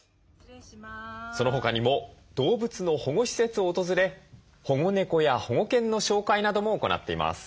そのほかにも動物の保護施設を訪れ保護猫や保護犬の紹介なども行っています。